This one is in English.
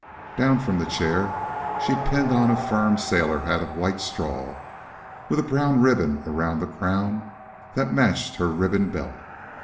Down from the chair, she pinned on a firm sailor hat of white straw with a brown ribbon around the crown that matched her ribbon belt.